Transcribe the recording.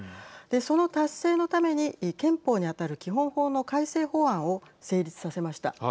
その達成のために憲法に当たる基本法の改正法案を成立させました。